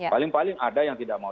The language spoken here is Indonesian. paling paling ada yang tidak mau